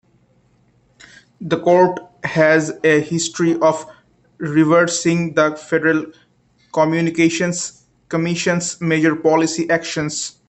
The court has a history of reversing the Federal Communications Commission's major policy actions.